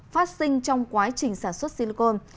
phát sinh trong quá trình sản xuất silicon